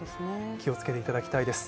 気をつけていただきたいです。